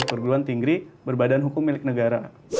perguruan tinggi berbadan hukum milik negara